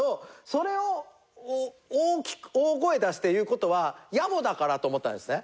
それを大声出して言う事は野暮だからと思ったんですね。